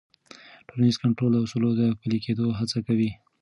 ټولنیز کنټرول د اصولو د پلي کېدو هڅه کوي.